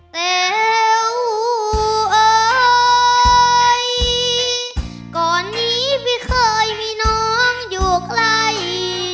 แต๋วเอ่ยก่อนนี้ไม่เคยมีน้องอยู่ไกล